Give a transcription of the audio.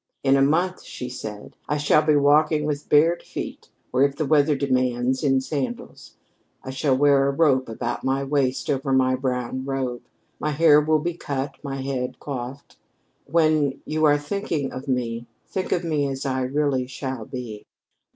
"In a month," she said, "I shall be walking with bared feet, or, if the weather demands, in sandals. I shall wear a rope about my waist over my brown robe. My hair will be cut, my head coiffed. When you are thinking of me, think of me as I really shall be."